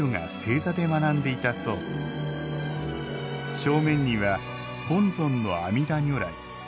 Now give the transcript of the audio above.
正面には本尊の阿弥陀如来。